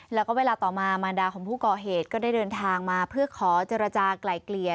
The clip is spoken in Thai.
แล้วก็เวลาต่อมามารดาของผู้ก่อเหตุก็ได้เดินทางมาเพื่อขอเจรจากลายเกลี่ย